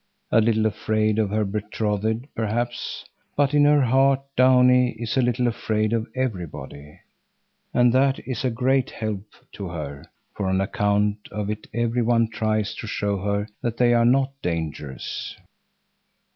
A little afraid of her betrothed, perhaps; but in her heart Downie is a little afraid of everybody, and that is a great help to her, for on account of it every one tries to show her that they are not dangerous.